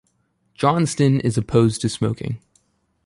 Johnston is opposed to smoking.